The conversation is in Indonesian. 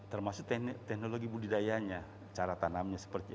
termasuk teknologi budidayanya cara tanamnya seperti apa